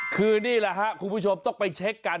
คือนี่แหละครับคุณผู้ชมต้องไปเช็คกัน